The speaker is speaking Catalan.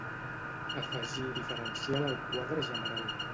Afegir diferencial al quadre general